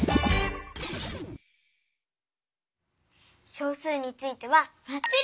小数についてはばっちり！